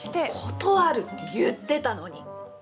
断るって言ってたのに！